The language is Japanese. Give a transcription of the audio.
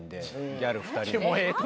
ギャル２人。